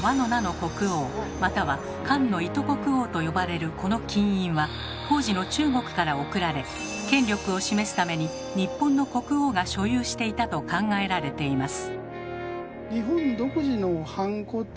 国王または「かんのいとこくおう」と呼ばれるこの金印は当時の中国から贈られ権力を示すために日本の国王が所有していたと考えられています。